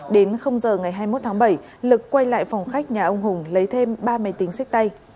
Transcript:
đến giờ ngày hai mươi một tháng bảy lực quay lại phòng khách nhà ông hùng lấy thêm ba máy tính sách tay